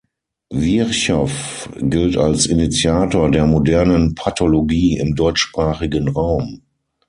Virchow gilt als „Initiator der modernen Pathologie im deutschsprachigen Raum“.